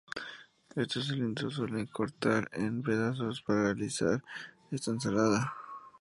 Estos cilindros se suelen cortar en pedazos para realizar esta ensalada.